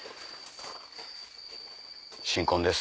新婚です。